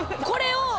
これを。